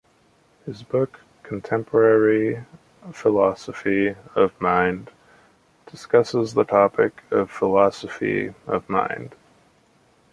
His book "Contemporary Philosophy of Mind" discusses the topic of philosophy of mind.